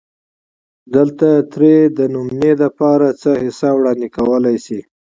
دلته ترې دنمونې دپاره څۀ حصه وړاندې کولی شي